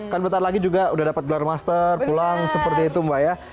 kan bentar lagi juga udah dapat gelar master pulang seperti itu mbak ya